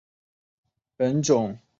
本种之下又可分为三个亚种。